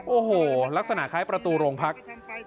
โอ้โหลักษณะคล้ายประตูโรงพัก